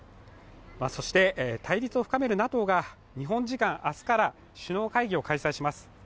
そして、対立を深めるＮＡＴＯが明日から首脳会議を開催します。